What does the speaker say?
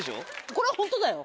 これホントだよ。